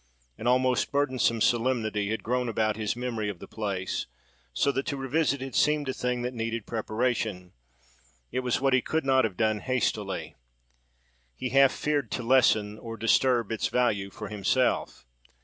An almost burdensome solemnity had grown about his memory of the place, so that to revisit it seemed a thing that needed preparation: it was what he could not have done hastily. He half feared to lessen, or disturb, its value for himself.